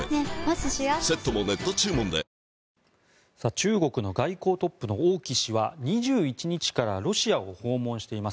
中国の外交トップの王毅氏は２１日からロシアを訪問しています。